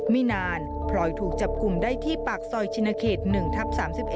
ไม่นานพลอยถูกจับกลุ่มได้ที่ปากซอยชินเขต๑ทับ๓๑